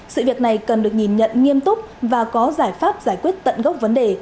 sự việc này cần được nhìn nhận nghiêm túc và có giải pháp giải quyết tận gốc vấn đề